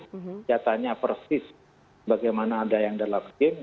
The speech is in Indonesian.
senjatanya persis bagaimana ada yang dalam game